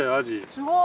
すごい！